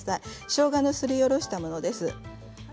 しょうがのすり下ろしたものです。